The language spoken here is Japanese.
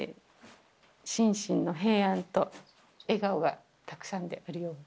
「心身の平安と笑顔がたくさんであるように」